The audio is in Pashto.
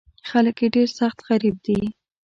خلک یې ډېر سخت غریب دي.